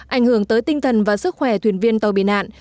ảnh hưởng tới tinh thần và sức khỏe thuyền viên tàu bị nạn